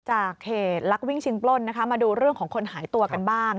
จากเหตุลักวิ่งชิงปล้นนะคะมาดูเรื่องของคนหายตัวกันบ้าง